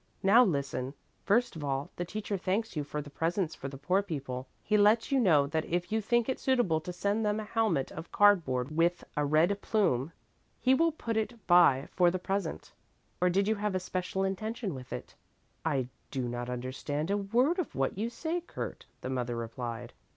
Now listen. First of all, the teacher thanks you for the presents for the poor people. He lets you know that if you think it suitable to send them a helmet of cardboard with a red plume, he will put it by for the present. Or did you have a special intention with it?" "I do not understand a word of what you say, Kurt," the mother replied.